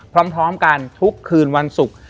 พร้อมกันทุกคืนวันศุกร์